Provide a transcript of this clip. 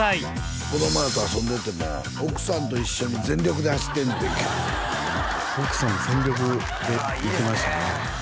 子供らと遊んでても奥さんと一緒に全力で走ってんねんて奥さんも全力でいきましたねああいいですね